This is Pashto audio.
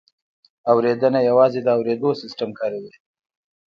اورېدنه یوازې د اورېدو سیستم کاروي